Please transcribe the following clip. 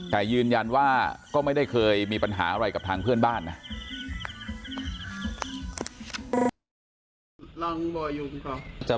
แต่ยืนยันว่าก็ไม่ได้เคยมีปัญหาอะไรกับทางเพื่อนบ้านนะ